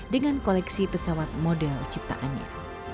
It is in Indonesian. dengan koleksi pesawat model ciptaannya